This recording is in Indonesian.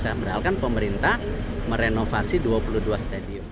sedangkan pemerintah merenovasi dua puluh dua stadion